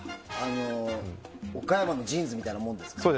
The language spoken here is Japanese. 岡山のジーンズみたいなものですか。